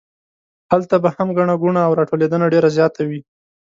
هلته به هم ګڼه ګوڼه او راټولېدنه ډېره زیاته وي.